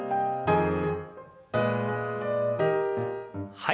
はい。